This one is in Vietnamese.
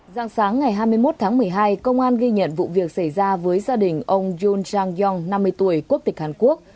dạng sáng ngày hai mươi một tháng một mươi hai công an ghi nhận vụ việc xảy ra với gia đình ông yun jean yong năm mươi tuổi quốc tịch hàn quốc